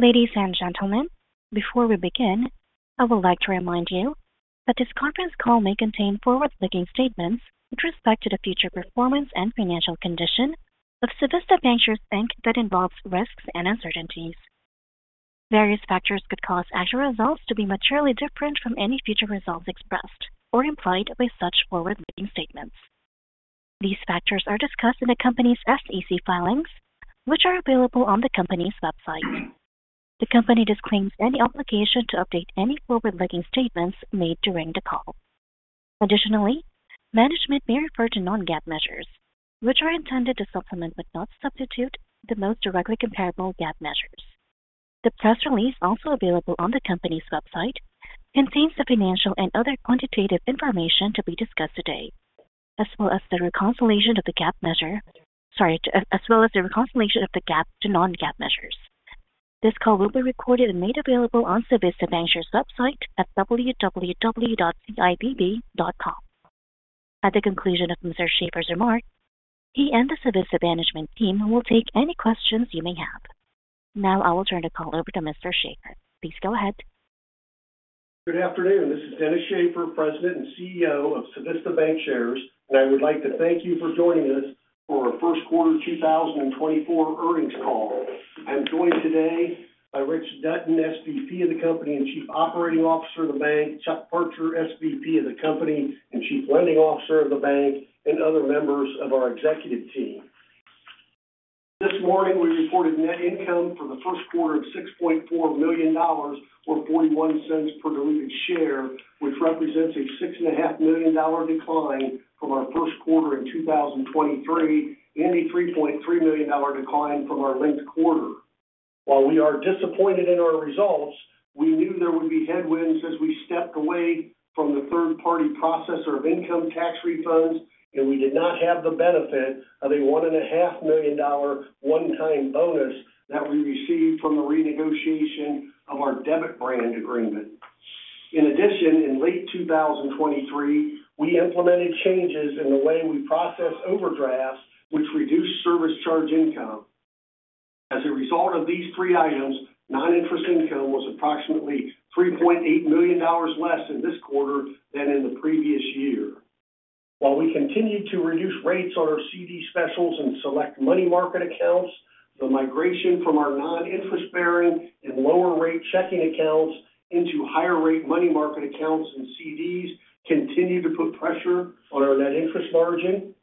Ladies and gentlemen, before we begin, I would like to remind you that this conference call may contain forward-looking statements with respect to the future performance and financial condition of Civista Bancshares, Inc. that involves risks and uncertainties. Various factors could cause actual results to be materially different from any future results expressed or implied by such forward-looking statements. These factors are discussed in the company's SEC filings, which are available on the company's website. The company disclaims any obligation to update any forward-looking statements made during the call. Additionally, management may refer to non-GAAP measures, which are intended to supplement but not substitute, the most directly comparable GAAP measures. The press release, also available on the company's website, contains the financial and other quantitative information to be discussed today, as well as the reconciliation of the GAAP measure—sorry, as well as the reconciliation of the GAAP to non-GAAP measures. This call will be recorded and made available on Civista Bancshares' website at www.cibb.com. At the conclusion of Mr. Shaffer's remarks, he and the Civista management team will take any questions you may have. Now I will turn the call over to Mr. Shaffer. Please go ahead. Good afternoon, this is Dennis Shaffer, President and CEO of Civista Bancshares, and I would like to thank you for joining us for our First Quarter 2024 Earnings Call. I'm joined today by Rich Dutton, SVP of the company and Chief Operating Officer of the bank, Chuck Parcher, SVP of the company and Chief Lending Officer of the bank, and other members of our executive team. This morning, we reported net income for the first quarter of $6.4 million, or $0.41 per diluted share, which represents a $6.5 million decline from our first quarter in 2023, and a $3.3 million decline from our linked quarter. While we are disappointed in our results, we knew there would be headwinds as we stepped away from the third-party processor of income tax refunds, and we did not have the benefit of a $1.5 million one-time bonus that we received from the renegotiation of our debit brand agreement. In addition, in late 2023, we implemented changes in the way we process overdrafts, which reduced service charge income. As a result of these three items, non-interest income was approximately $3.8 million less in this quarter than in the previous year. While we continued to reduce rates on our CD specials and select money market accounts, the migration from our non-interest bearing and lower rate checking accounts into higher rate money market accounts and CDs continued to put pressure on our net interest margin.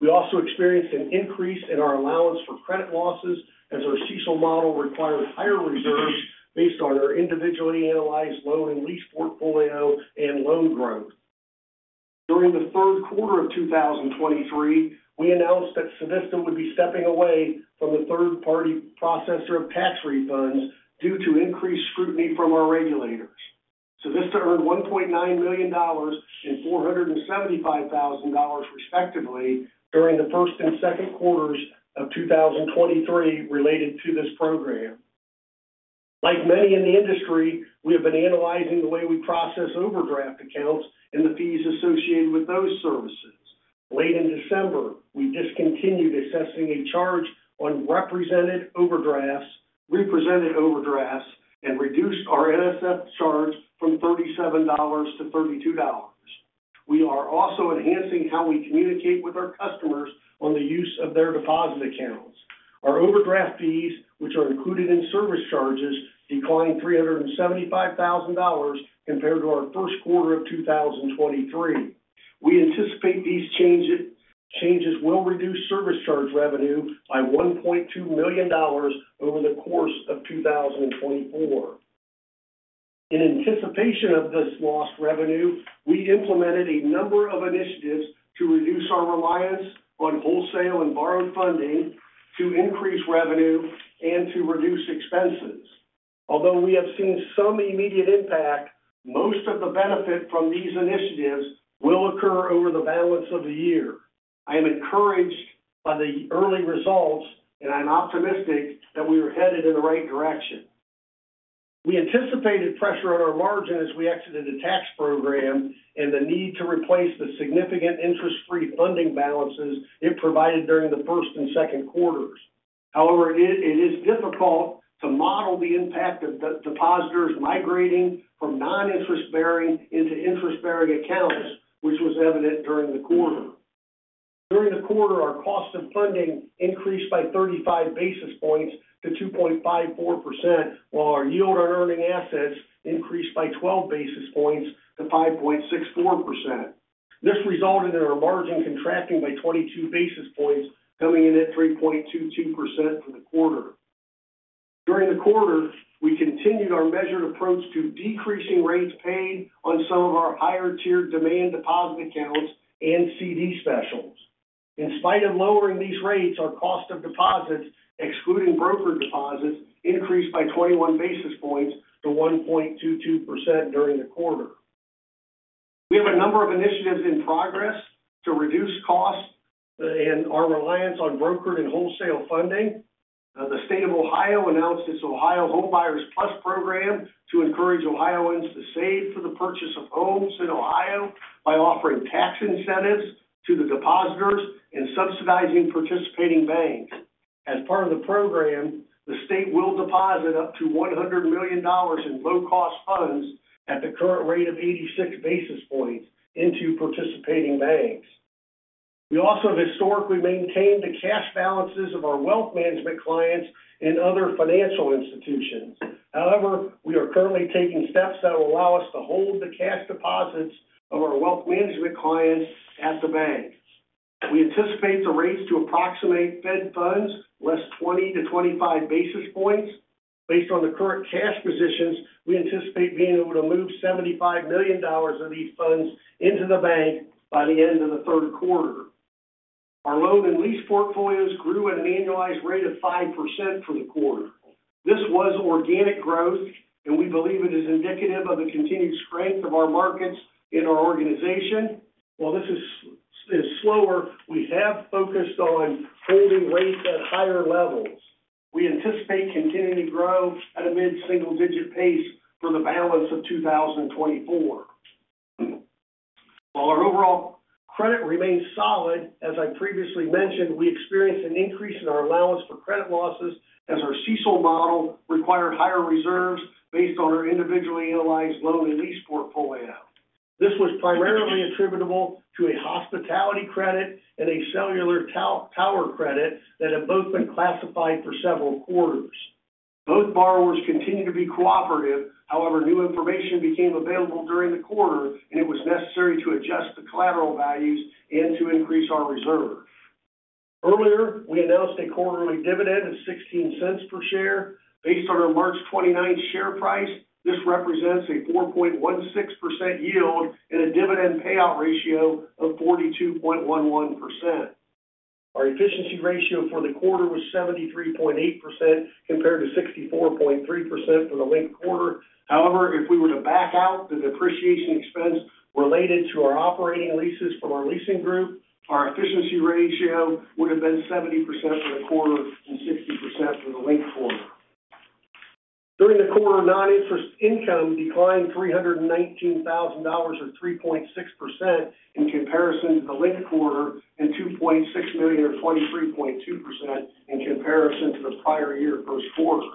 We also experienced an increase in our allowance for credit losses as our CECL model required higher reserves based on our individually analyzed loan and lease portfolio and loan growth. During the third quarter of 2023, we announced that Civista would be stepping away from the third-party processor of tax refunds due to increased scrutiny from our regulators. Civista earned $1.9 million and $475,000, respectively, during the first and second quarters of 2023 related to this program. Like many in the industry, we have been analyzing the way we process overdraft accounts and the fees associated with those services. Late in December, we discontinued assessing a charge on re-presented overdrafts re-presented overdrafts and reduced our NSF charge from $37-$32. We are also enhancing how we communicate with our customers on the use of their deposit accounts. Our overdraft fees, which are included in service charges, declined $375,000 compared to our first quarter of 2023. We anticipate these changes will reduce service charge revenue by $1.2 million over the course of 2024. In anticipation of this lost revenue, we implemented a number of initiatives to reduce our reliance on wholesale and borrowed funding, to increase revenue and to reduce expenses. Although we have seen some immediate impact, most of the benefit from these initiatives will occur over the balance of the year. I am encouraged by the early results, and I'm optimistic that we are headed in the right direction. We anticipated pressure on our margin as we exited the tax program and the need to replace the significant interest-free funding balances it provided during the first and second quarters. However, it is difficult to model the impact of the depositors migrating from non-interest bearing into interest-bearing accounts, which was evident during the quarter. During the quarter, our cost of funding increased by 35 basis points to 2.54%, while our yield on earning assets increased by 12 basis points to 5.64%. This resulted in our margin contracting by 22 basis points, coming in at 3.22% for the quarter. During the quarter, we continued our measured approach to decreasing rates paid on some of our higher-tiered demand deposit accounts and CD specials. In spite of lowering these rates, our cost of deposits, excluding broker deposits, increased by 21 basis points to 1.22% during the quarter. We have a number of initiatives in progress to reduce costs and our reliance on brokered and wholesale funding. The State of Ohio announced its Ohio Homebuyer Plus program to encourage Ohioans to save for the purchase of homes in Ohio by offering tax incentives to the depositors and subsidizing participating banks. As part of the program, the state will deposit up to $100 million in low-cost funds at the current rate of 86 basis points into participating banks. We also have historically maintained the cash balances of our wealth management clients and other financial institutions. However, we are currently taking steps that will allow us to hold the cash deposits of our wealth management clients at the bank. We anticipate the rates to approximate Fed funds, less 20-25 basis points. Based on the current cash positions, we anticipate being able to move $75 million of these funds into the bank by the end of the third quarter. Our loan and lease portfolios grew at an annualized rate of 5% for the quarter. This was organic growth, and we believe it is indicative of the continued strength of our markets in our organization. While this is slower, we have focused on holding rates at higher levels. We anticipate continuing to grow at a mid-single-digit pace for the balance of 2024. While our overall credit remains solid, as I previously mentioned, we experienced an increase in our allowance for credit losses as our CECL model required higher reserves based on our individually analyzed loan and lease portfolio. This was primarily attributable to a hospitality credit and a cellular tower credit that have both been classified for several quarters. Both borrowers continued to be cooperative. However, new information became available during the quarter, and it was necessary to adjust the collateral values and to increase our reserve. Earlier, we announced a quarterly dividend of $0.16 per share. Based on our March 29th share price, this represents a 4.16% yield and a dividend payout ratio of 42.11%. Our efficiency ratio for the quarter was 73.8%, compared to 64.3% for the linked quarter. However, if we were to back out the depreciation expense related to our operating leases from our leasing group, our efficiency ratio would have been 70% for the quarter and 60% for the linked quarter. During the quarter, non-interest income declined $319,000, or 3.6% in comparison to the linked quarter, and $2.6 million, or 23.2%, in comparison to the prior year first quarter.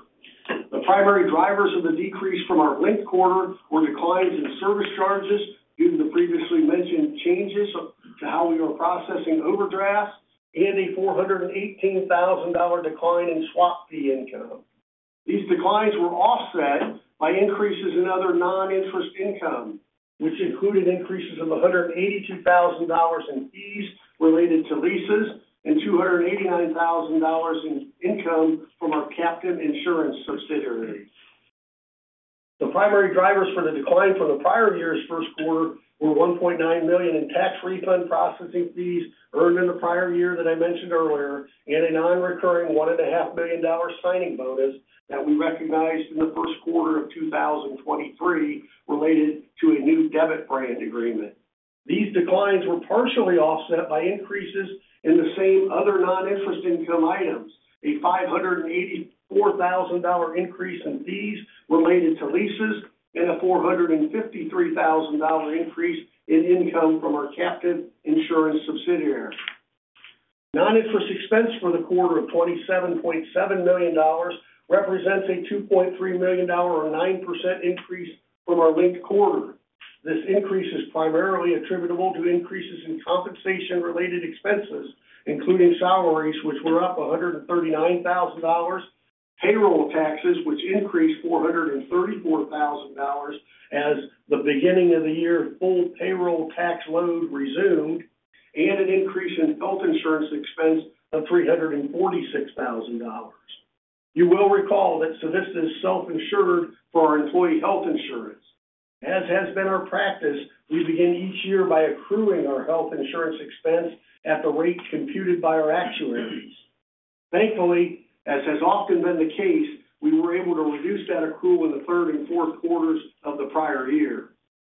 The primary drivers of the decrease from our linked quarter were declines in service charges due to the previously mentioned changes to how we were processing overdrafts and a $418,000 decline in swap fee income. These declines were offset by increases in other non-interest income, which included increases of $182,000 in fees related to leases and $289,000 in income from our captive insurance subsidiary. The primary drivers for the decline from the prior year's first quarter were $1.9 million in tax refund processing fees earned in the prior year that I mentioned earlier, and a non-recurring $1.5 million signing bonus that we recognized in the first quarter of 2023 related to a new debit brand agreement. These declines were partially offset by increases in the same other non-interest income items, a $584,000 increase in fees related to leases, and a $453,000 increase in income from our captive insurance subsidiary. Non-interest expense for the quarter of $27.7 million represents a $2.3 million, or 9% increase from our linked quarter. This increase is primarily attributable to increases in compensation-related expenses, including salaries, which were up $139,000, payroll taxes, which increased $434,000 as the beginning of the year full payroll tax load resumed, and an increase in health insurance expense of $346,000. You will recall that Civista is self-insured for our employee health insurance. As has been our practice, we begin each year by accruing our health insurance expense at the rate computed by our actuaries. Thankfully, as has often been the case, we were able to reduce that accrual in the third and fourth quarters of the prior year.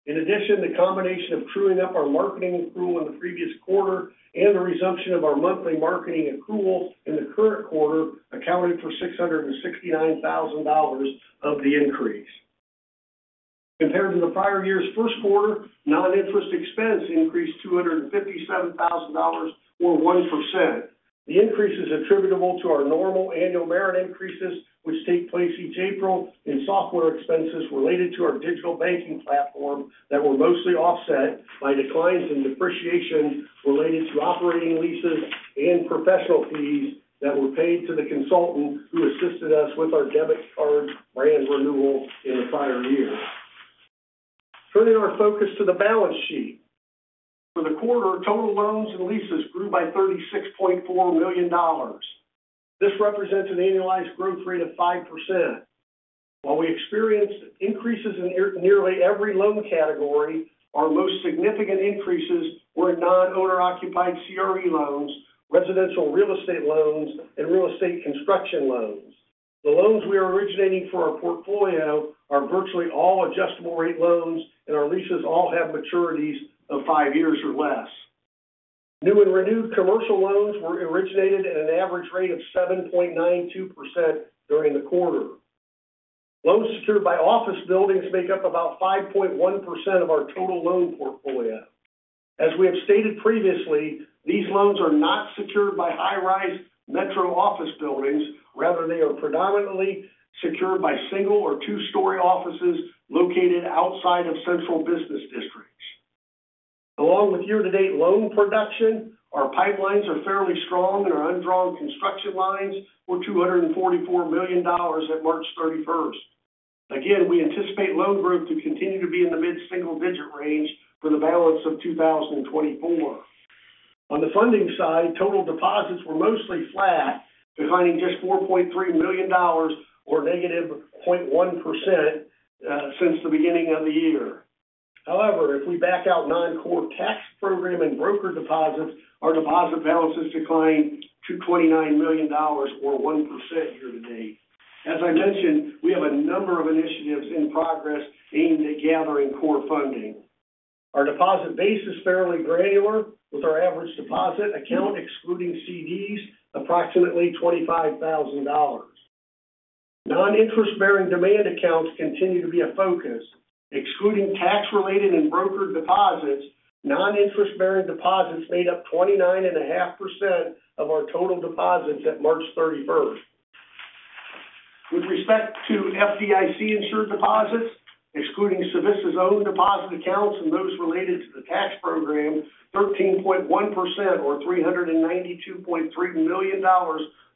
In addition, the combination of truing up our marketing accrual in the previous quarter and the resumption of our monthly marketing accrual in the current quarter accounted for $669,000 of the increase. Compared to the prior year's first quarter, non-interest expense increased $257,000, or 1%. The increase is attributable to our normal annual merit increases, which take place each April, and software expenses related to our digital banking platform that were mostly offset by declines in depreciation related to operating leases and professional fees that were paid to the consultant who assisted us with our debit card brand renewal in the prior year. Turning our focus to the balance sheet. For the quarter, total loans and leases grew by $36.4 million. This represents an annualized growth rate of 5%. While we experienced increases in nearly every loan category, our most significant increases were in non-owner-occupied CRE loans, residential real estate loans, and real estate construction loans. The loans we are originating for our portfolio are virtually all adjustable-rate loans, and our leases all have maturities of five years or less. New and renewed commercial loans were originated at an average rate of 7.92% during the quarter. Loans secured by office buildings make up about 5.1% of our total loan portfolio. As we have stated previously, these loans are not secured by high-rise metro office buildings, rather they are predominantly secured by single or two-story offices located outside of central business districts. Along with year-to-date loan production, our pipelines are fairly strong, and our undrawn construction lines were $244 million at March 31st. Again, we anticipate loan growth to continue to be in the mid-single digit range for the balance of 2024. On the funding side, total deposits were mostly flat, declining just $4.3 million or -0.1% since the beginning of the year. However, if we back out non-core tax program and broker deposits, our deposit balances declined $29 million or 1% year-to-date. As I mentioned, we have a number of initiatives in progress aimed at gathering core funding. Our deposit base is fairly granular, with our average deposit account, excluding CDs, approximately $25,000. Non-interest-bearing demand accounts continue to be a focus. Excluding tax-related and brokered deposits, non-interest-bearing deposits made up 29.5% of our total deposits at March 31st. With respect to FDIC-insured deposits, excluding Civista's own deposit accounts and those related to the tax program, 13.1% or $392.3 million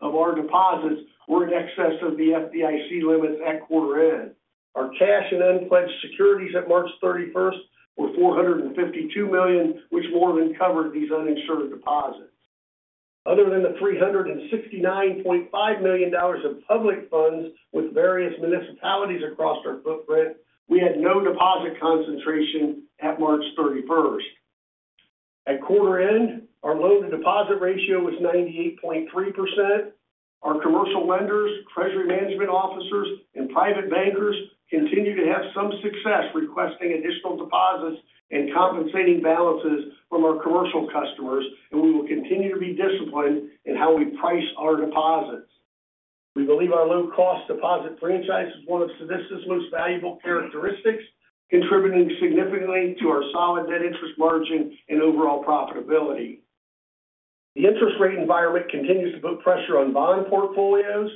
of our deposits were in excess of the FDIC limits at quarter end. Our cash and unpledged securities at March 31st were $452 million, which more than covered these uninsured deposits. Other than the $369.5 million of public funds with various municipalities across our footprint, we had no deposit concentration at March 31st. At quarter end, our loan-to-deposit ratio was 98.3%. Our commercial lenders, treasury management officers, and private bankers continue to have some success requesting additional deposits and compensating balances from our commercial customers, and we will continue to be disciplined in how we price our deposits. We believe our low-cost deposit franchise is one of Civista's most valuable characteristics, contributing significantly to our solid net interest margin and overall profitability. The interest rate environment continues to put pressure on bond portfolios.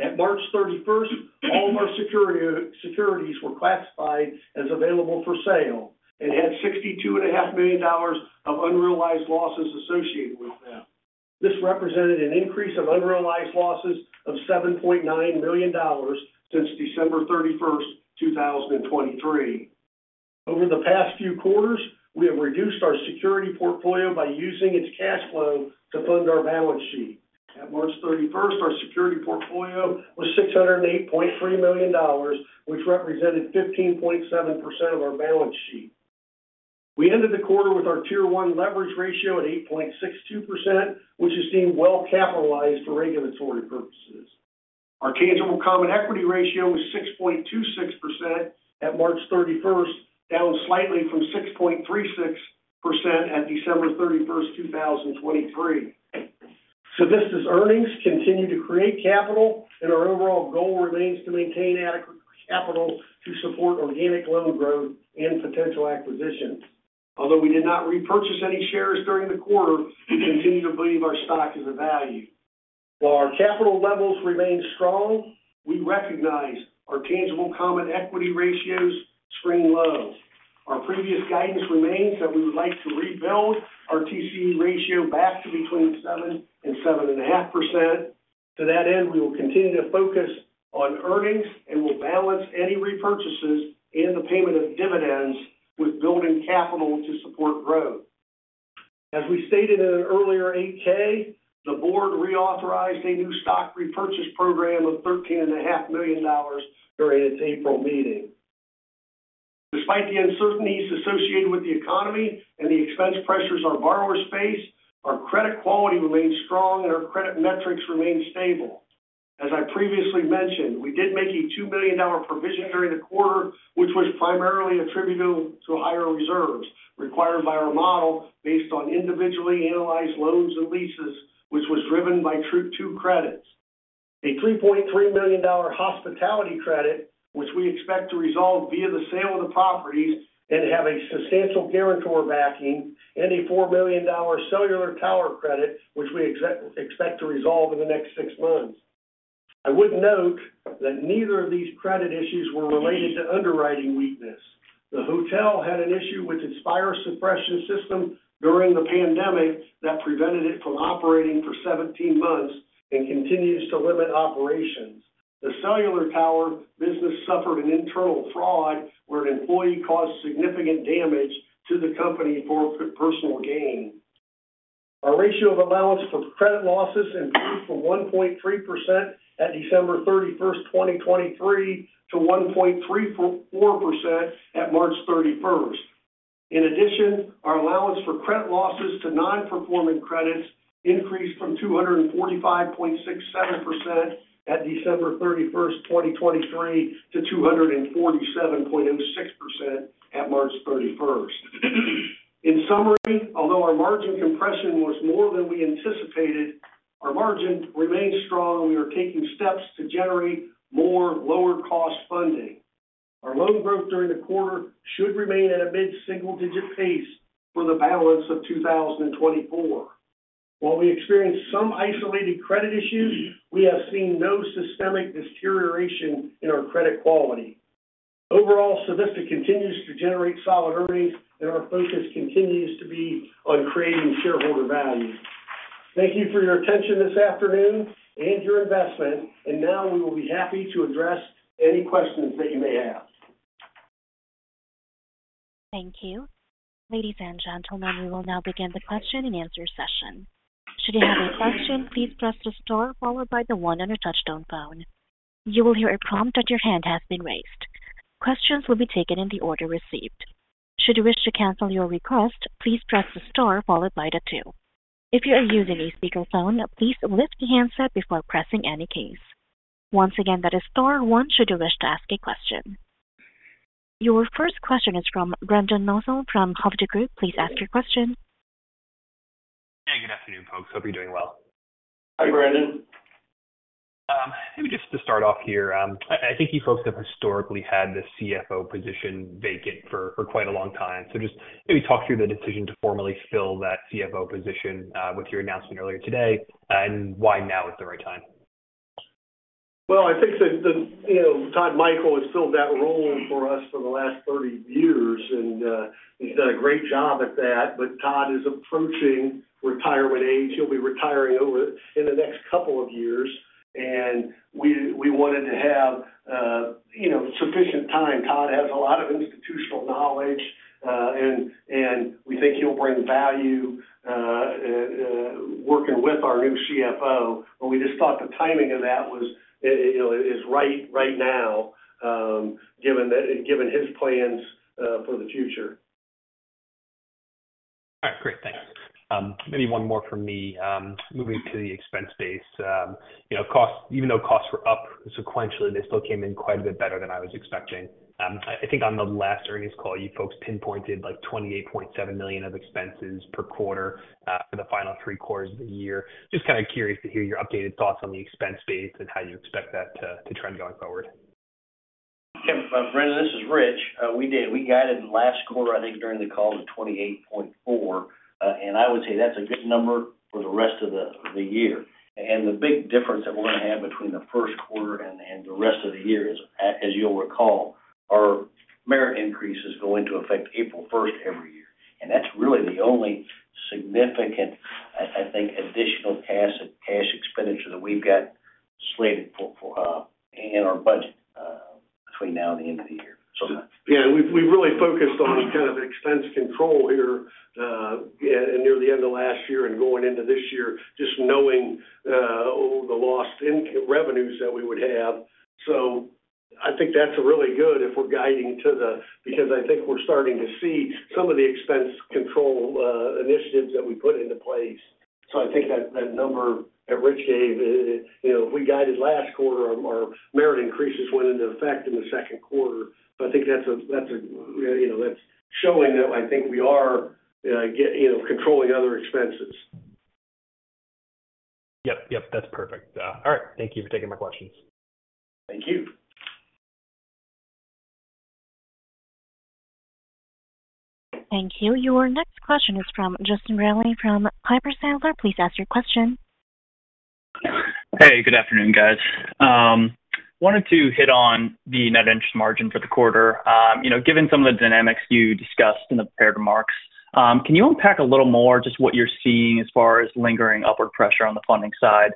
At March 31st, all of our securities were classified as available for sale and had $62.5 million of unrealized losses associated with them. This represented an increase of unrealized losses of $7.9 million since December 31st, 2023. Over the past few quarters, we have reduced our security portfolio by using its cash flow to fund our balance sheet. At March 31st, our security portfolio was $608.3 million, which represented 15.7% of our balance sheet. We ended the quarter with our Tier one leverage ratio at 8.62%, which is deemed well capitalized for regulatory purposes. Our tangible common equity ratio was 6.26% at March 31st, down slightly from 6.36% at December 31st, 2023. Civista's earnings continue to create capital, and our overall goal remains to maintain adequate capital to support organic loan growth and potential acquisitions. Although we did not repurchase any shares during the quarter, we continue to believe our stock is of value. While our capital levels remain strong, we recognize our tangible common equity ratio's spring lows. Our previous guidance remains that we would like to rebuild our TCE ratio back to between 7% and 7.5%. To that end, we will continue to focus on earnings and will balance any repurchases and the payment of dividends with building capital to support growth. As we stated in an earlier 8-K, the board reauthorized a new stock repurchase program of $13.5 million during its April meeting. Despite the uncertainties associated with the economy and the expense pressures our borrowers face, our credit quality remains strong and our credit metrics remain stable. As I previously mentioned, we did make a $2 million provision during the quarter, which was primarily attributable to higher reserves required by our model based on individually analyzed loans and leases, which was driven by two credits. A $3.3 million hospitality credit, which we expect to resolve via the sale of the properties and have a substantial guarantor backing, and a $4 million cellular tower credit, which we expect to resolve in the next six months. I would note that neither of these credit issues were related to underwriting weakness. The hotel had an issue with its fire suppression system during the pandemic that prevented it from operating for 17 months and continues to limit operations. The cellular tower business suffered an internal fraud, where an employee caused significant damage to the company for personal gain. Our ratio of allowance for credit losses increased from 1.3% at December 31st, 2023, to 1.34% at March 31st. In addition, our allowance for credit losses to non-performing credits increased from 245.67% at December 31st, 2023, to 247.06% at March 31st. In summary, although our margin compression was more than we anticipated, our margin remains strong, and we are taking steps to generate more lower-cost funding.... Our loan growth during the quarter should remain at a mid-single-digit pace for the balance of 2024. While we experienced some isolated credit issues, we have seen no systemic deterioration in our credit quality. Overall, Civista continues to generate solid earnings, and our focus continues to be on creating shareholder value. Thank you for your attention this afternoon and your investment, and now we will be happy to address any questions that you may have. Thank you. Ladies and gentlemen, we will now begin the question-and-answer session. Should you have a question, please press the star followed by the one on your touch-tone phone. You will hear a prompt that your hand has been raised. Questions will be taken in the order received. Should you wish to cancel your request, please press the star followed by the two. If you are using a speakerphone, please lift the handset before pressing any keys. Once again, that is star one should you wish to ask a question. Your first question is from Brendan Nosal from Hovde Group. Please ask your question. Hey, good afternoon, folks. Hope you're doing well. Hi, Brendan. Maybe just to start off here, I think you folks have historically had the CFO position vacant for quite a long time. So just maybe talk through the decision to formally fill that CFO position with your announcement earlier today, and why now is the right time? Well, I think that the, you know, Todd Michel has filled that role for us for the last 30 years, and he's done a great job at that. But Todd is approaching retirement age. He'll be retiring over in the next couple of years, and we we wanted to have, you know, sufficient time. Todd has a lot of institutional knowledge, and and we think he'll bring value working with our new CFO. But we just thought the timing of that was, you know, is right right now, given his plans for the future. All right, great. Thanks. Maybe one more from me. Moving to the expense base, you know, costs—even though costs were up sequentially, they still came in quite a bit better than I was expecting. I think on the last earnings call, you folks pinpointed like $28.7 million of expenses per quarter, for the final three quarters of the year. Just kind of curious to hear your updated thoughts on the expense base and how you expect that to trend going forward. Yep, Brendan, this is Rich. We did. We guided last quarter, I think, during the call to $28.4 million, and I would say that's a good number for the rest of the year. The big difference that we're going to have between the first quarter and the rest of the year is, as you'll recall, our merit increases go into effect April first every year, and that's really the only significant, I think, additional cash expenditure that we've got slated for in our budget between now and the end of the year. So yeah- Yeah, we've really focused on kind of expense control here, yeah, near the end of last year and going into this year, just knowing the lost income revenues that we would have. So I think that's really good if we're guiding to the... Because I think we're starting to see some of the expense control initiatives that we put into place. So I think that number that Rich gave, you know, we guided last quarter, our merit increases went into effect in the second quarter. So I think that's a, that's a you know, that's showing that I think we are getting, you know, controlling other expenses. Yep. Yep, that's perfect. All right, thank you for taking my questions. Thank you. Thank you. Your next question is from Justin Crowley from Piper Sandler. Please ask your question. Hey, good afternoon, guys. Wanted to hit on the net interest margin for the quarter. You know, given some of the dynamics you discussed in the prepared remarks, can you unpack a little more just what you're seeing as far as lingering upward pressure on the funding side?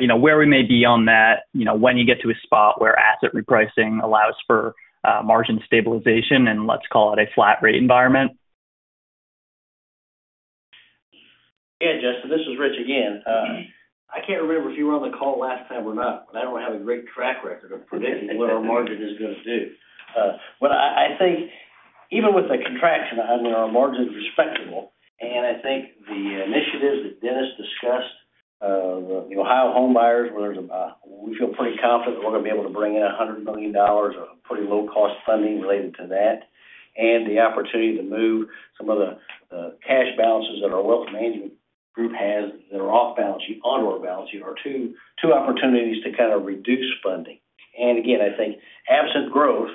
You know, where we may be on that, you know, when you get to a spot where asset repricing allows for margin stabilization and let's call it a flat rate environment? Yeah, Justin, this is Rich again. I can't remember if you were on the call last time or not, but I don't have a great track record of predicting what our margin is going to do. But I think you know even with the contraction, I mean, our margin's respectable, and I think the initiatives that Dennis discussed, the Ohio home buyers, where there's, we feel pretty confident that we're going to be able to bring in $100 million of pretty low-cost funding related to that. And the opportunity to move some of the cash balances that our wealth management group has, that are off balance sheet, onto our balance sheet, are two two opportunities to kind of reduce funding. And again, I think absent growth,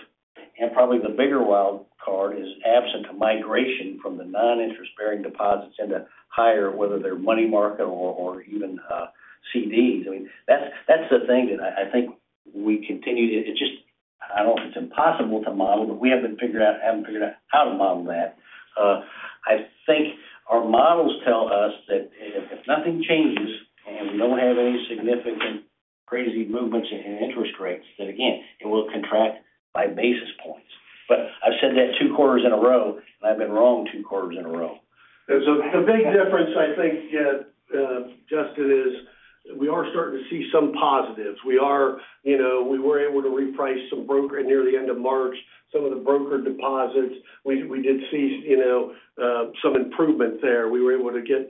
and probably the bigger wild card, is absent migration from the non-interest bearing deposits into higher, whether they're money market or even CDs. I mean, that's the thing that I think we continue to—it's just—I don't know if it's impossible to model, but we haven't figured out how to model that. I think our models tell us that if nothing changes and we don't have any significant crazy movements in interest rates, then again, it will contract by basis points. But I've said that two quarters in a row, and I've been wrong two quarters in a row. So the big difference, I think, Justin, is we are starting to see some positives. We are, you know, we were able to reprice some brokered near the end of March, some of the brokered deposits. We, we did see, you know, some improvement there. We were able to get,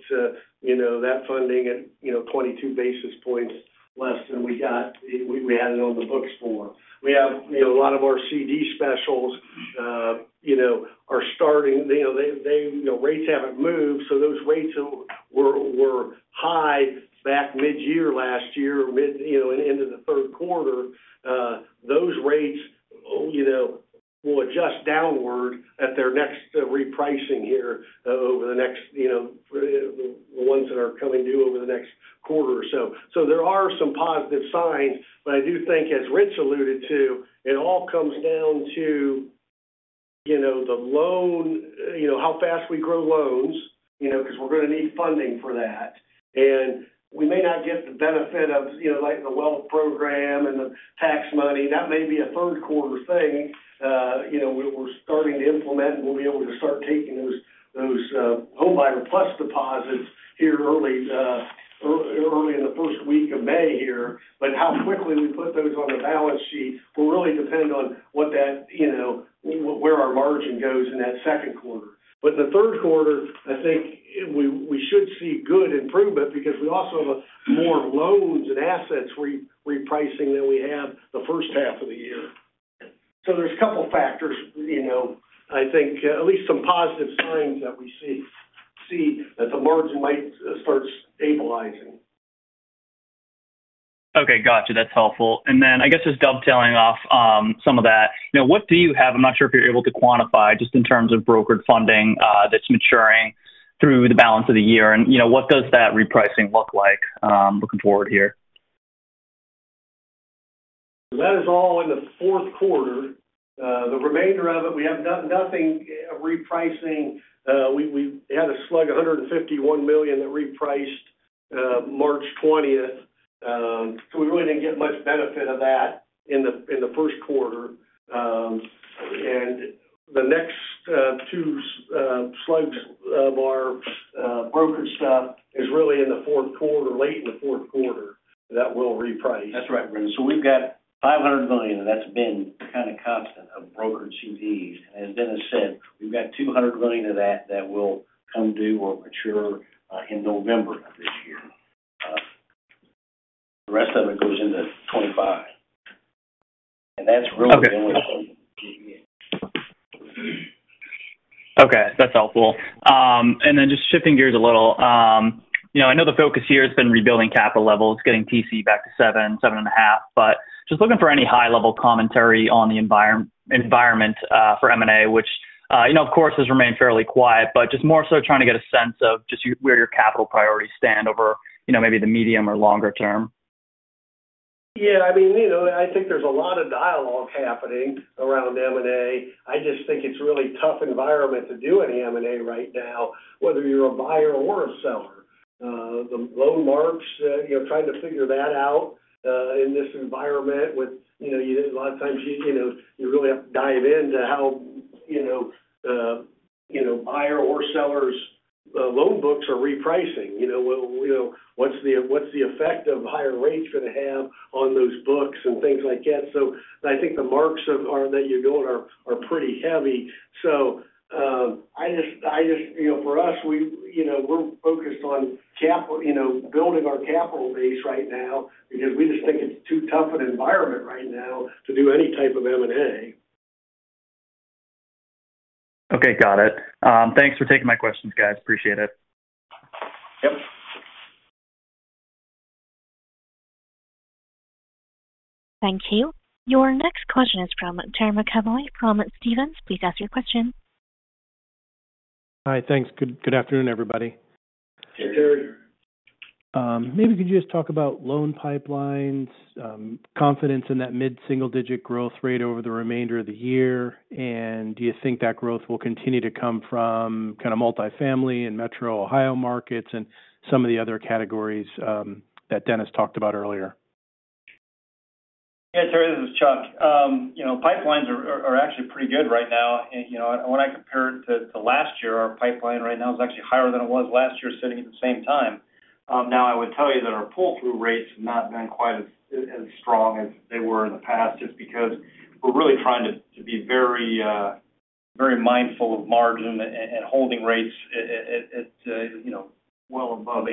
you know, that funding at, you know, 22 basis points less than we got, we, we had it on the books for. We have, you know, a lot of our CD specials you know are starting, you know, they, they, you know, rates haven't moved, so those rates were, were high back mid-year last year, mid, you know, and into the third quarter. Those rates, you know, will adjust downward at their next repricing here over the next, you know, the ones that are coming due over the next quarter or so. So there are some positive signs, but I do think, as Rich alluded to, it all comes down to, you know, the loan, you know, how fast we grow loans, you know, because we're going to need funding for that. And we may not get the benefit of, you know, like, the wealth program and the tax money. That may be a third quarter thing. You know, we're starting to implement, and we'll be able to start taking those those homebuyer plus deposits here early early in the first week of May here. But how quickly we put those on the balance sheet will really depend on what that, you know, where our margin goes in that second quarter. But the third quarter, I think we should see good improvement because we also have more loans and assets repricing than we had the first half of the year. So there's a couple factors, you know, I think at least some positive signs that we see see that the margin might start stabilizing. Okay, got you. That's helpful. And then I guess, just dovetailing off, some of that, you know, what do you have? I'm not sure if you're able to quantify just in terms of brokered funding, that's maturing through the balance of the year, and, you know, what does that repricing look like, looking forward here? That is all in the fourth quarter. The remainder of it, we have nothing repricing. We had a slug, $151 million, that repriced March twentieth. So we really didn't get much benefit of that in the first quarter. And the next two slugs of our brokered stuff is really in the fourth quarter, late in the fourth quarter, that will reprice. That's right, so we've got $500 million, and that's been kind of constant of brokered CDs. As Dennis said, we've got $200 million of that that will come due or mature in November of this year. The rest of it goes into 2025, and that's really- Okay. The only one. Okay, that's helpful. And then just shifting gears a little, you know, I know the focus here has been rebuilding capital levels, getting TC back to 7, 7.5, but just looking for any high-level commentary on the environment for M&A, which, you know, of course, has remained fairly quiet. But just more so trying to get a sense of just where your capital priorities stand over, you know, maybe the medium or longer term. Yeah, I mean, you know, I think there's a lot of dialogue happening around M&A. I just think it's a really tough environment to do any M&A right now, whether you're a buyer or a seller. The loan marks, you know, trying to figure that out in this environment with, you know, a lot of times, you know, you really have to dive into how, you know, you know buyer or seller's loan books are repricing. You know, well, you know, what's the, what's the effect of higher rates going to have on those books and things like that? So I think the marks that you're doing are pretty heavy. So, I just I just you know, for us, we, you know, we're focused on capital, you know, building our capital base right now because we just think it's too tough an environment right now to do any type of M&A. Okay, got it. Thanks for taking my questions, guys. Appreciate it. Yep. Thank you. Your next question is from Terry McEvoy from Stephens. Please ask your question. Hi, thanks. Good, good afternoon, everybody. Hey, Terry. Maybe could you just talk about loan pipelines, confidence in that mid-single-digit growth rate over the remainder of the year, and do you think that growth will continue to come from kind of multifamily and metro Ohio markets and some of the other categories, that Dennis talked about earlier? Yeah, Terry, this is Chuck. You know, pipelines are actually pretty good right now. You know, when I compare it to last year, our pipeline right now is actually higher than it was last year, sitting at the same time. Now, I would tell you that our pull-through rates have not been quite as strong as they were in the past, just because we're really trying to be very, very mindful of margin and holding rates, you know, at well above 8%,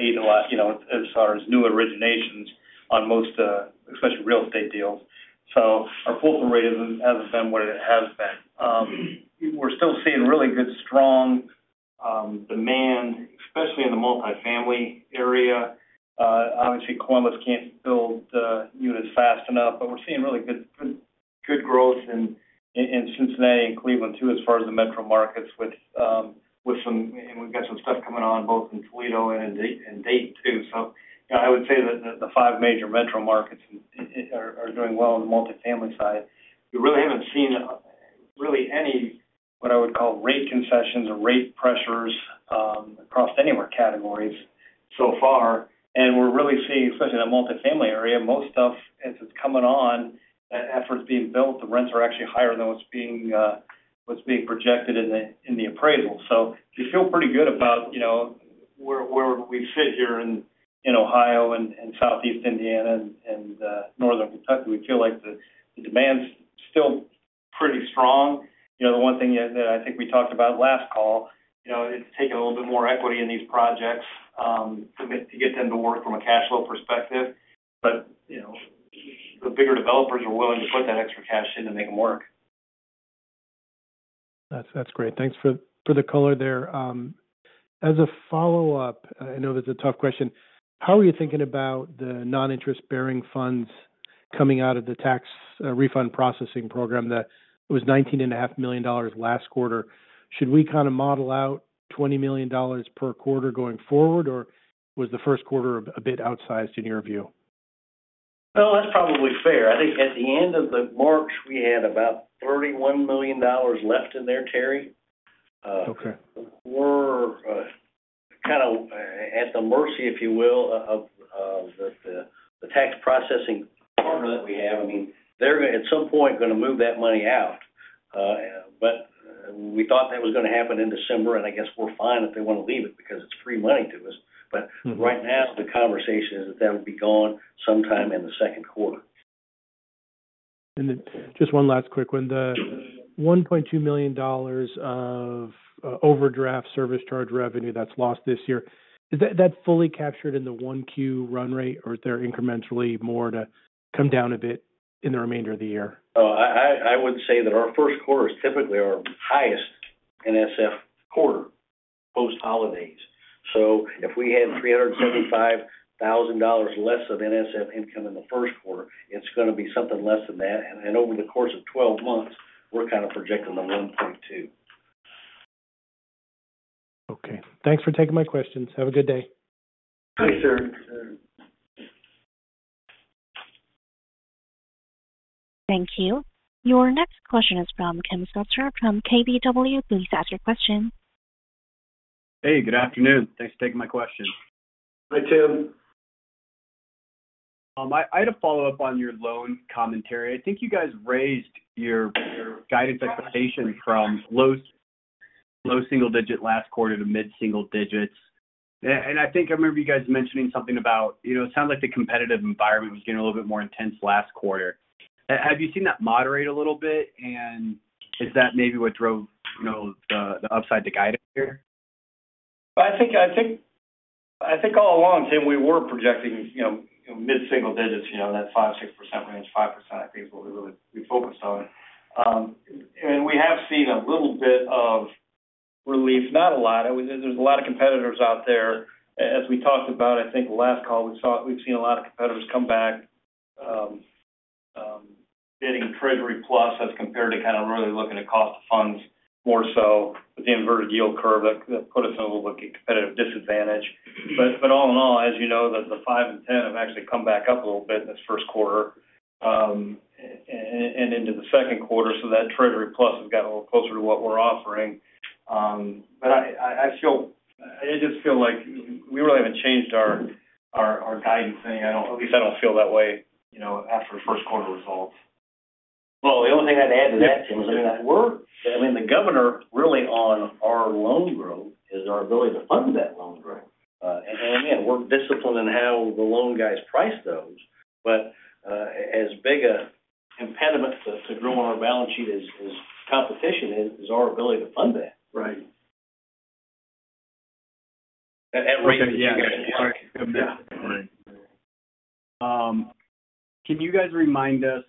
you know, as far as new originations on most, especially real estate deals. So our pull-through rate hasn't been what it has been. We're still seeing really good, strong demand, especially in the multifamily area. Obviously, Columbus can't build units fast enough, but we're seeing really good growth in Cincinnati and Cleveland, too, as far as the metro markets, which with some and we've got some stuff coming on both in Toledo and in Dayton, too. So I would say that the five major metro markets are doing well in the multifamily side. We really haven't seen really any what I would call rate concessions or rate pressures across any of our categories so far. And we're really seeing, especially in the multifamily area, most stuff, as it's coming on and after it's being built, the rents are actually higher than what's being projected in the appraisal. So we feel pretty good about, you know, where we sit here in Ohio and Southeast Indiana and Northern Kentucky. We feel like the demand's still pretty strong. You know, the one thing is that I think we talked about last call, you know, it's taking a little bit more equity in these projects to get them to work from a cash flow perspective. But you know the bigger developers are willing to put that extra cash in to make them work. That's great. Thanks for the color there. As a follow-up, I know this is a tough question: How are you thinking about the non-interest bearing funds coming out of the tax refund processing program that was $19.5 million last quarter? Should we kind of model out $20 million per quarter going forward, or was the first quarter a bit outsized in your view? Well, that's probably fair. I think at the end of the March, we had about $31 million left in there, Terry. Okay. We're kind of at the mercy, if you will, of the tax processing partner that we have. I mean, they're at some point gonna move that money out. But we thought that was gonna happen in December, and I guess we're fine if they want to leave it, because it's free money to us. Mm-hmm. But right now, the conversation is that would be gone sometime in the second quarter. And then just one last quick one. The $1.2 million of overdraft service charge revenue that's lost this year, is that fully captured in the 1Q run rate, or is there incrementally more to come down a bit in the remainder of the year? Oh, I would say that our first quarter is typically our highest NSF quarter, post holidays. So if we had $375,000 less of NSF income in the first quarter, it's gonna be something less than that. And then over the course of 12 months, we're kind of projecting the $1.2 million. Okay. Thanks for taking my questions. Have a good day. Thank you, sir. Thank you. Your next question is from Tim Switzer from KBW. Please ask your question. Hey, good afternoon. Thanks for taking my question. Hi, Tim. I had a follow-up on your loan commentary. I think you guys raised your guidance expectation from low low single digit last quarter to mid single digits. And I think I remember you guys mentioning something about, you know, it sounded like the competitive environment was getting a little bit more intense last quarter. Have you seen that moderate a little bit, and is that maybe what drove, you know, the upside to guidance here? I think I think, I think all along, Tim, we were projecting, you know, mid-single digits, you know, that 5%-6% range, 5%, I think is what we really focused on. And we have seen a little bit of relief, not a lot. I mean, there's a lot of competitors out there. As we talked about, I think last call, we've seen a lot of competitors come back, getting Treasury Plus as compared to kind of really looking at cost of funds, more so with the inverted yield curve, that put us in a little bit of competitive disadvantage. But all in all, as you know, the five and 10 have actually come back up a little bit in this first quarter, and into the second quarter, so that Treasury Plus has gotten a little closer to what we're offering. But I feel, I just feel like we really haven't changed our guidance thing. I don't, at least I don't feel that way, you know, after the first quarter results. Well, the only thing I'd add to that, Tim, is that we're—I mean, the governor really on our loan growth is our ability to fund that loan growth. And again, we're disciplined in how the loan guys price those. But as big an impediment to growth on our balance sheet is competition, is our ability to fund that. Right. At rate, yeah. Right. Can you guys remind us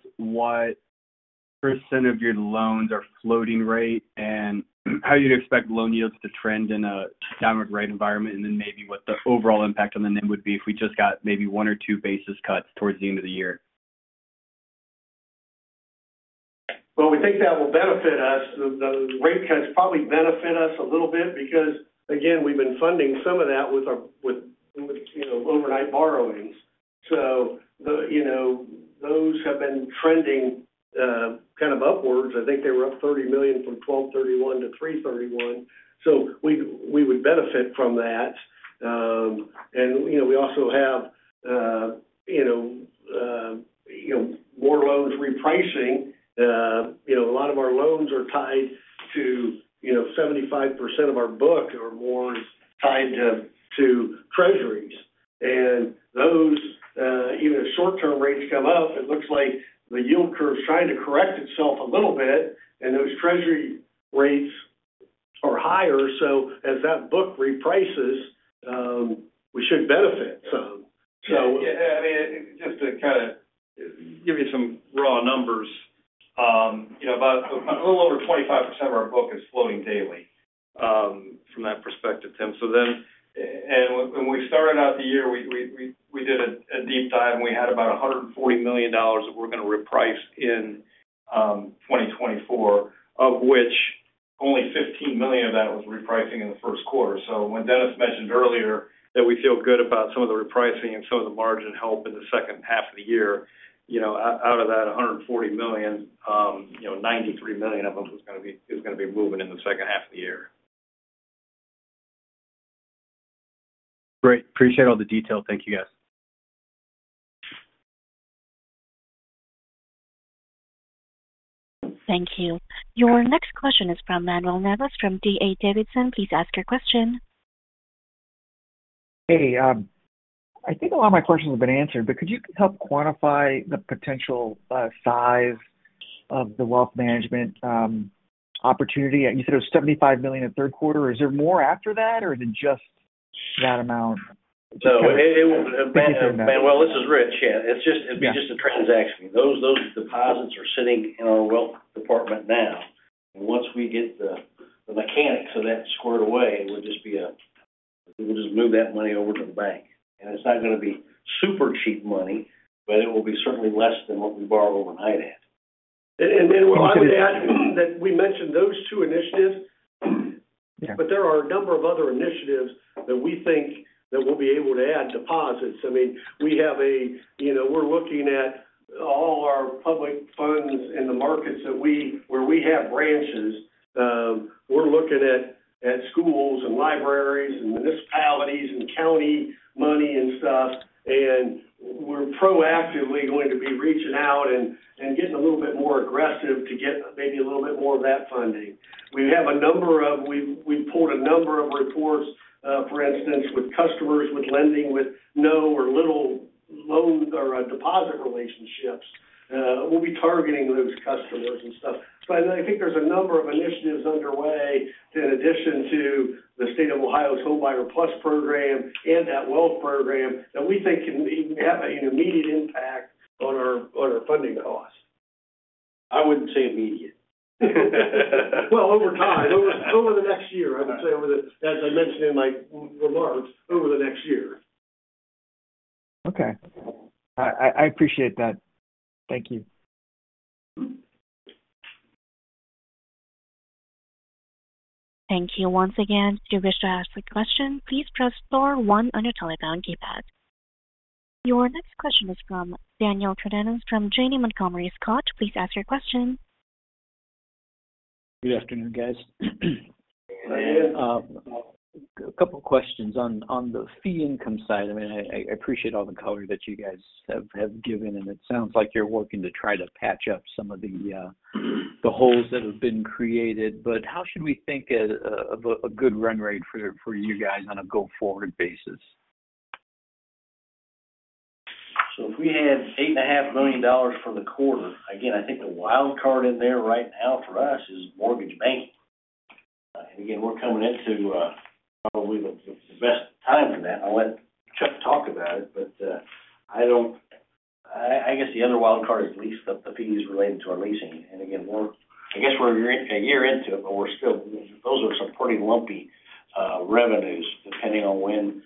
what percent of your loans are floating rate, and how you'd expect loan yields to trend in a dynamic rate environment, and then maybe what the overall impact on the NIM would be if we just got maybe one or two basis cuts towards the end of the year? Well, we think that will benefit us. The rate cuts probably benefit us a little bit because, again, we've been funding some of that with our with you know overnight borrowings. So the, you know, those have been trending kind of upwards. I think they were up $30 million from 12/31 to 3/31. So we would benefit from that. And, you know, we also have you know, you know, more loans repricing. You know, a lot of our loans are tied to, you know, 75% of our book are more tied to treasuries. And those even if short-term rates come up, it looks like the yield curve is trying to correct itself a little bit, and those treasury rates are higher. So as that book reprices, we should benefit from. So- You know, yeah I mean, just to kind of give you some raw numbers, you know, about a little over 25% of our book is floating daily, from that perspective, Tim. So then, and when we started out the year, we did a deep dive, and we had about $140 million that we're gonna reprice in 2024, of which only $15 million of that was repricing in the first quarter. So when Dennis mentioned earlier that we feel good about some of the repricing and some of the margin help in the second half of the year, you know, out of that $140 million, you know, $93 million of them was gonna be, is gonna be moving in the second half of the year. Great. Appreciate all the detail. Thank you, guys. Thank you. Your next question is from Manuel Navas, from D.A. Davidson. Please ask your question. Hey, I think a lot of my questions have been answered, but could you help quantify the potential size of the wealth management opportunity? You said it was $75 million in the third quarter. Is there more after that, or is it just that amount. So, Manuel, this is Rich. Yeah, it's just. It'd be just a transaction. Those deposits are sitting in our wealth department now. Once we get the mechanics of that squared away, it would just be. We'll just move that money over to the bank. And it's not going to be super cheap money, but it will be certainly less than what we borrow overnight at. And then I would add that we mentioned those two initiatives, but there are a number of other initiatives that we think that we'll be able to add deposits. So I mean, we have, you know, we're looking at all our public funds in the markets where where we have branches. We're looking at schools and libraries and municipalities and county money and stuff, and we're proactively going to be reaching out and getting a little bit more aggressive to get maybe a little bit more of that funding. We have a number of—we've we've pulled a number of reports, for instance, with customers, with lending, with no or little loans or deposit relationships. We'll be targeting those customers and stuff. I think there's a number of initiatives underway in addition to the State of Ohio's Homebuyer Plus program and that Wealth program that we think can have an immediate impact on our funding costs. I wouldn't say immediate. Well over time, over the next year, I would say, as I mentioned in my remarks, over the next year. Okay. I appreciate that. Thank you. Thank you once again. If you wish to ask a question, please press star one on your telephone keypad. Your next question is from Daniel Cardenas from Janney Montgomery Scott. Please ask your question. Good afternoon, guys. Good afternoon. A couple questions on the fee income side. I mean, I appreciate all the color that you guys have given, and it sounds like you're working to try to patch up some of the holes that have been created. But how should we think of a good run rate for you guys on a go-forward basis? So we had $8.5 million for the quarter. Again, I think the wild card in there right now for us is mortgage banking. Again, we're coming into probably the best time for that. I'll let Chuck talk about it, but I don't but I guess the other wild card is lease, the fees related to our leasing. And again, I guess we're a year into it, but we're still, those are some pretty lumpy revenues, depending on when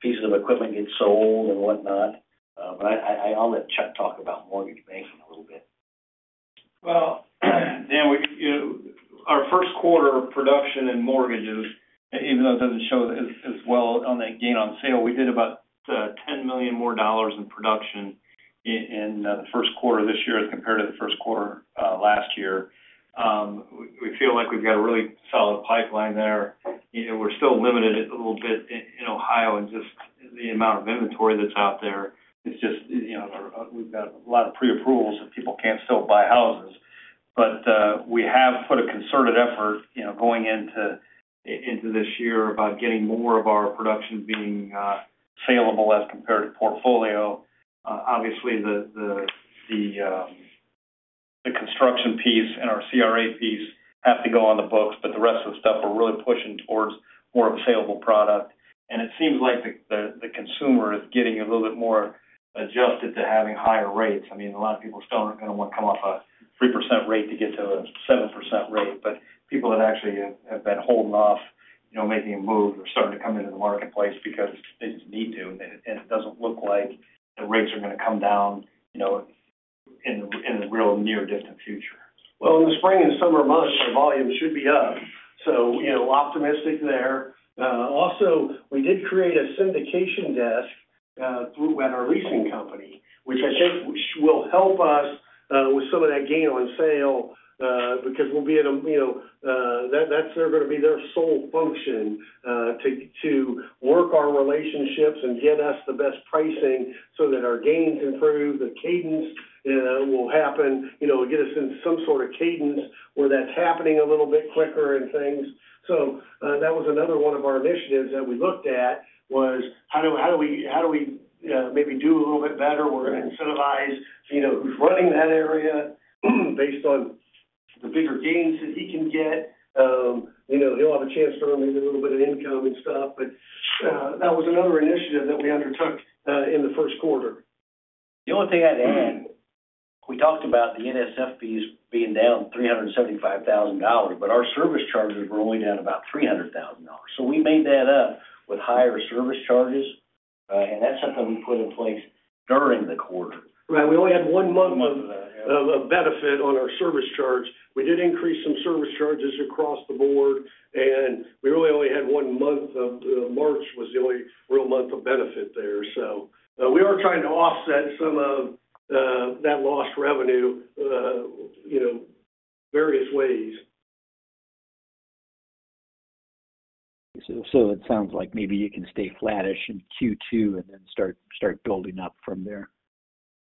pieces of equipment get sold and whatnot. But I'll let Chuck talk about mortgage banking a little bit. Well, Dan, our first quarter production in mortgages, even though it doesn't show as well on that gain on sale, we did about $10 million more in production in the first quarter this year as compared to the first quarter last year. We feel like we've got a really solid pipeline there. You know, we're still limited a little bit in Ohio and just the amount of inventory that's out there. It's just, you know, we've got a lot of preapprovals, and people can't still buy houses. But we have put a concerted effort, you know, going into this year about getting more of our production being saleable as compared to portfolio. Obviously, the the construction piece and our CRA piece have to go on the books, but the rest of the stuff, we're really pushing towards more of a saleable product. And it seems like the consumer is getting a little bit more adjusted to having higher rates. I mean, a lot of people still are going to want to come off a 3% rate to get to a 7% rate, but people that actually have been holding off, you know, making a move are starting to come into the marketplace because they just need to, and it doesn't look like the rates are gonna come down, you know, in the real near distant future. Well, in the spring and summer months, our volume should be up, so, you know, optimistic there. Also, we did create a syndication desk through our leasing company, which I think will help us with some of that gain on sale because we'll be able to, you know, that's going to be their sole function to work our relationships and get us the best pricing so that our gains improve, the cadence will happen, you know, get us in some sort of cadence where that's happening a little bit quicker and things. So, that was another one of our initiatives that we looked at was how we how we maybe do a little bit better? We're gonna incentivize, you know, who's running that area, based on the bigger gains that he can get. You know, he'll have a chance to earn a little bit of income and stuff, but that was another initiative that we undertook in the first quarter. The only thing I'd add, we talked about the NSF fees being down $375,000, but our service charges were only down about $300,000. So we made that up with higher service charges, and that's something we put in place during the quarter. Right. We only had one month of benefit on our service charge. We did increase some service charges across the board, and we really only had one month of benefit. March was the only real month of benefit there. So, we are trying to offset some of that lost revenue, you know, various ways. It sounds like maybe you can stay flattish in Q2 and then start building up from there-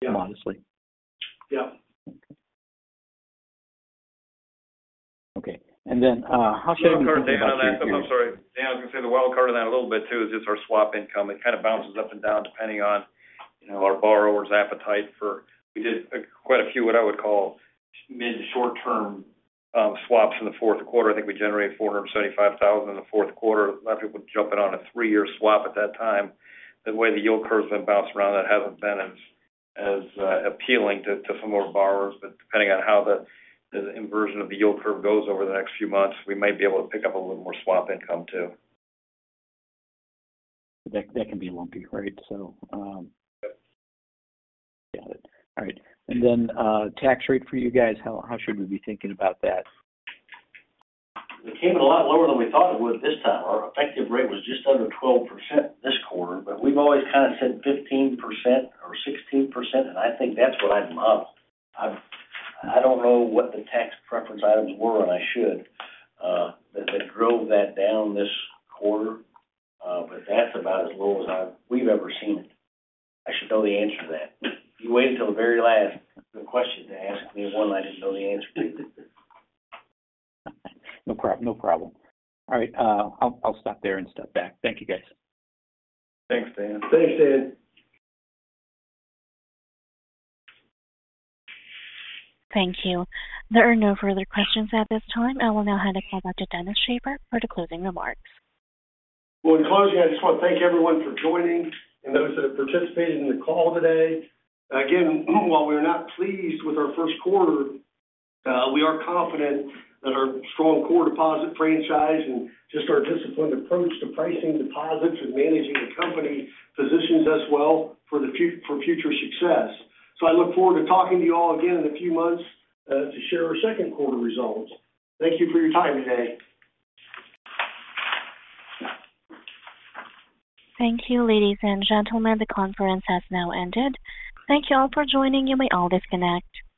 Yeah, modestly. Yeah. Okay. Okay, and then, how should- I'm sorry. Dan, I was going to say the wild card on that a little bit, too, is just our swap income. It kind of bounces up and down, depending on, you know, our borrower's appetite for... We did quite a few, what I would call, mid- to short-term- swaps in the fourth quarter. I think we generated $475,000 in the fourth quarter. A lot of people jumping on a three-year swap at that time. The way the yield curve's been bounced around, that hasn't been as appealing to some of our borrowers. But depending on how the inversion of the yield curve goes over the next few months, we might be able to pick up a little more swap income, too. That, that can be lumpy, right? So, Yep. Got it. All right, and then, tax rate for you guys, how should we be thinking about that? It came in a lot lower than we thought it would this time. Our effective rate was just under 12% this quarter, but we've always kind of said 15% or 16%, and I think that's what I modeled. I don't know what the tax preference items were, and I should, that drove that down this quarter, but that's about as low as we've ever seen it. I should know the answer to that. You wait until the very last good question to ask me, one I didn't know the answer to. No problem. All right, I'll stop there and step back. Thank you, guys. Thanks, Dan. Thanks, Dan. Thank you. There are no further questions at this time. I will now hand the call back to Dennis Shaffer for the closing remarks. Well, in closing, I just want to thank everyone for joining and those that have participated in the call today. Again, while we're not pleased with our first quarter, we are confident that our strong core deposit franchise and just our disciplined approach to pricing deposits and managing the company positions us well for future success. So I look forward to talking to you all again in a few months to share our second quarter results. Thank you for your time today. Thank you, ladies and gentlemen, the conference has now ended. Thank you all for joining, you may all disconnect.